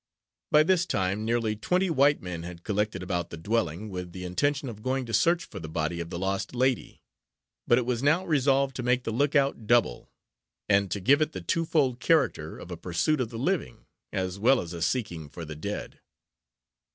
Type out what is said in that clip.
By this time, nearly twenty white men had collected about the dwelling, with the intention of going to search for the body of the lost lady; but it was now resolved to make the look out double, and to give it the two fold character of a pursuit of the living, as well as a seeking for the dead.